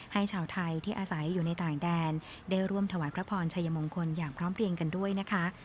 ให้ชาวไทยที่อาศัยอยู่ในต่างแดนได้ร่วมถวายพระพรชัยมงคลอย่างพร้อมเพลียงกันด้วยนะคะ